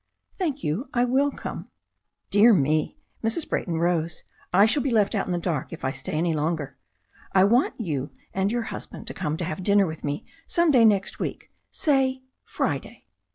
"Thank you, I will come." "Dear me," — Mrs. Brayton rose — ^"I shall be left out in the dark if I stay any longer. I want you and your hus band to come to have dinner with me some day next week, say Friday."